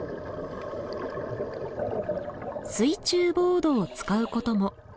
水中ボードを使うことも。